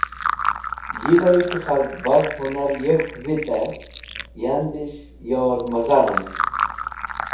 Yi loy ki khalg baf hũnar yek̃hk vitẽ andis̃h yor mẽza rand.